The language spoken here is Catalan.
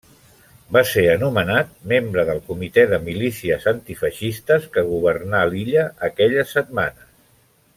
Va ser anomenat membre del Comitè de Milícies Antifeixistes que governà l'illa aquelles setmanes.